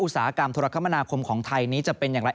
อุตสาหกรรมธุรกรรมนาคมของไทยนี้จะเป็นอย่างไร